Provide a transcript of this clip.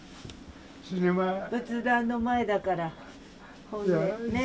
仏壇の前だからねえ。